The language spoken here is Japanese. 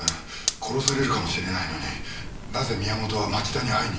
殺されるかもしれないのになぜ宮本は町田に会いに。